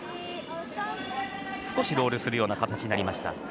少しロールする形になりました。